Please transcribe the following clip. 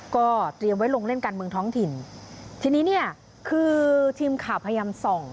ก็เตรียมไว้ลงเล่นการเมืองท้องถิ่นทีนี้เนี่ยคือทีมข่าวพยายามส่อง